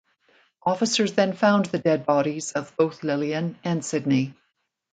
Officers then found the dead bodies of both Lillian and Sydney.